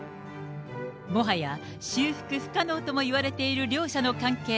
もはや、修復不可能ともいわれている両者の関係。